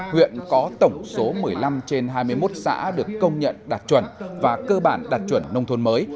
huyện có tổng số một mươi năm trên hai mươi một xã được công nhận đạt chuẩn và cơ bản đạt chuẩn nông thôn mới